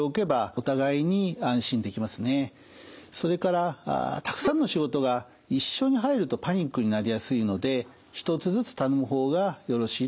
それからたくさんの仕事が一緒に入るとパニックになりやすいので１つずつ頼む方がよろしいと思います。